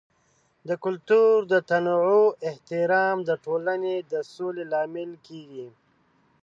د کلتور د تنوع احترام د ټولنې د سولې لامل کیږي.